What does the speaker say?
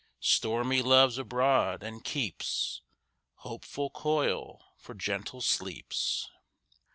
Stormy Love's abroad, and keeps Hopeful coil for gentle sleeps.